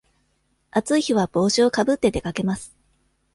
暑い日は帽子をかぶって出かけます。